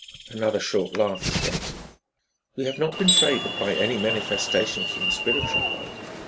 Another short laugh escaped him. "We have not been favored by any manifestations from the spiritual world.